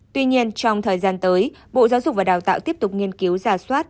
tuy nhiên trong thời gian tới bộ giáo dục và đào tạo tiếp tục nghiên cứu giả soát